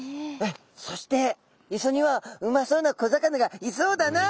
そして磯には「うまそうな小魚がいそうだな。